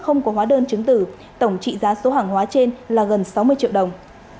không có hóa đơn chứng tử tổng trị giá số hàng hóa trên là gần sáu mươi triệu đồng